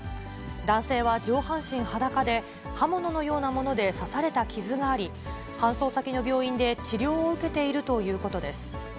男性は上半身裸で、刃物のようなもので刺された傷があり、搬送先の病院で治療を受けているということです。